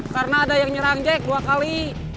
karena ada yang nyerang jack dua kali